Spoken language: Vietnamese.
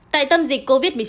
tại tâm dịch covid một mươi chín